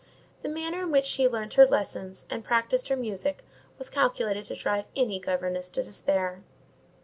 The manner in which she learnt her lessons and practised her music was calculated to drive any governess to despair.